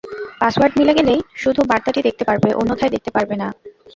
Password মিলে গেলেই শুধু বার্তাটি দেখতে পারবে, অন্যথায় দেখতে পারবে না।